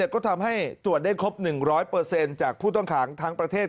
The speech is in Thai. ก็ทำให้ตรวจได้ครบ๑๐๐จากผู้ต้องขังทั้งประเทศ